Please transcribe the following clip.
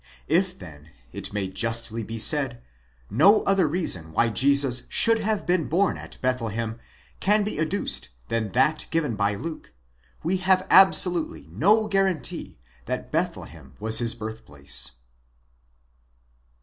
If then—it may justly be said no other reason why Jesus should have been born at Bethlehem can be adduced than that given by Luke, we have absolutely no guarantee that Bethlehem was his birth place.